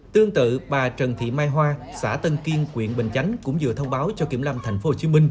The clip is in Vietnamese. tương tự bà trần thị mai hoa xã tân kiên quyện bình chánh cũng vừa thông báo cho kiểm lâm tp hcm